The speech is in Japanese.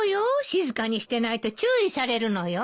静かにしてないと注意されるのよ。